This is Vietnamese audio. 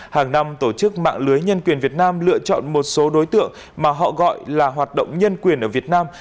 hàng năm tổ chức mạng lưới nhân quyền việt nam lựa chọn một số đối tượng mà họ gọi là hoạt động nhân quyền ở việt nam